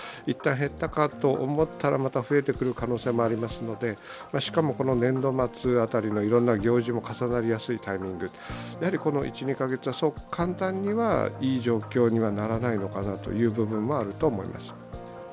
一旦減ったかと思ったらまた増えてくる可能性もありますので、しかも、年度末辺りのいろいろな行事も重なりやすいタイミングやはりこの１２カ月は簡単にはいい状況にはならないのかなという部分はあると思います。